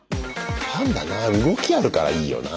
パンダな動きあるからいいよな。